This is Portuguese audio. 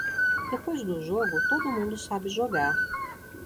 Depois do jogo, todo mundo sabe jogar.